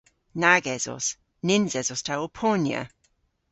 Nag esos. Nyns esos ta ow ponya.